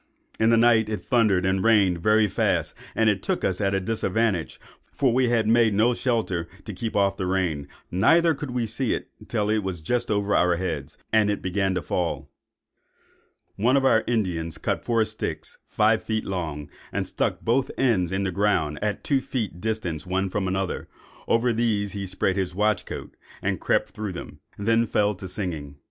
In the night it thundered and rained very fast, and took us at a disadvantage; for we had made no shelter to keep off the rain, neither could we see it till just over our heads, and it began to fall. "One of our Indians cut four sticks, five feet long, and stuck both ends in the ground, at two feet distance one from another; over these he spread his watch coat, and crept through them, and then fell to singing.